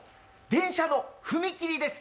電車の踏切です。